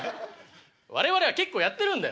我々は結構やってるんだよ！